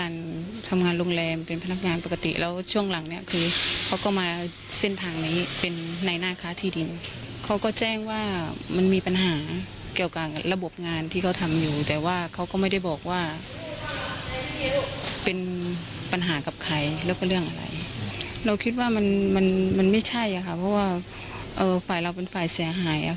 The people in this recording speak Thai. เราคิดว่ามันมันไม่ใช่ค่ะเพราะว่าฝ่ายเราเป็นฝ่ายเสียหาย